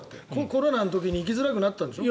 コロナの時に行きづらくなったんでしょ。